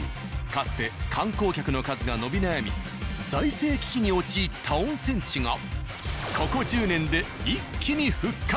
かつて観光客の数が伸び悩み財政危機に陥った温泉地がここ１０年で一気に復活！